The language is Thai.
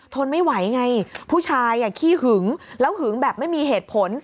ทนไม่ไหวไงผู้ชายขี้หึงแล้วหึงแบบไม่มีเหตุผล